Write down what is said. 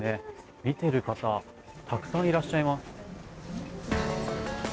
見ている方がたくさんいらっしゃいます。